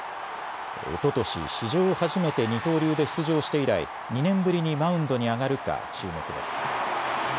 おととし史上初めて二刀流で出場して以来、２年ぶりにマウンドに上がるか注目です。